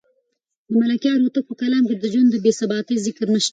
د ملکیار هوتک په کلام کې د ژوند د بې ثباتۍ ذکر نشته.